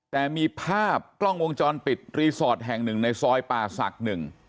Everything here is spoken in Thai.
แต่มีภาพกล้องวงจรปิดรีสอร์ทแห่งหนึ่งในซอยป่าศักดิ์หนึ่ง